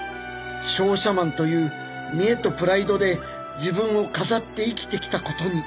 「商社マンという見えとプライドで自分を飾って生きてきた事に」